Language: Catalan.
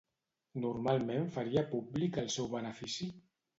Normalment faria públic el seu benefici?